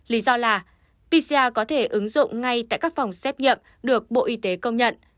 lý do là pcr có thể ứng dụng ngay tại các phòng xét nghiệm được bộ y tế công nhận